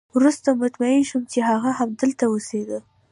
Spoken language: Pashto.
وروسته مطمئن شوم چې هغه همدلته اوسېده